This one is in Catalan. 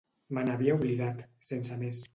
Me n'havia oblidat, sense més.